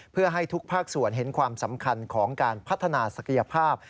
เพื่อให้ทุกภาคส่วนเห็นความสำคัญของการพัฒนาศักยภาพ